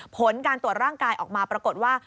ผลการตรวจร่างกายออกมาปรากฏว่า